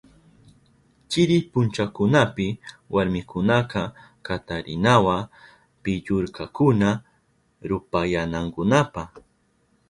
Chiri punchakunapi warmikunaka katarinawa pillurirkakuna rupayanankunapa.